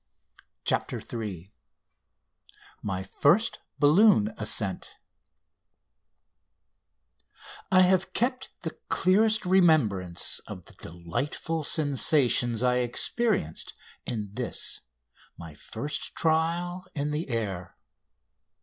CHAPTER III MY FIRST BALLOON ASCENT I have kept the clearest remembrance of the delightful sensations I experienced in this my first trial in the air.